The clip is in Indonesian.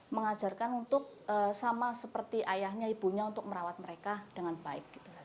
mengajarkan untuk sama seperti ayahnya ibunya untuk merawat mereka dengan baik